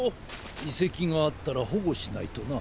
いせきがあったらほごしないとな。